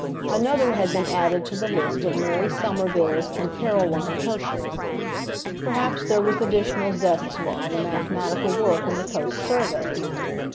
Another had been added to the list of Mary Somervilles and Caroline Herschels. Perhaps there was additional zest now in the mathematical work in the Coast Survey.